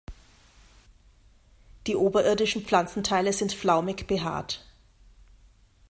Die oberirdischen Pflanzenteile sind flaumig behaart.